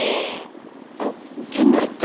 あの源内って。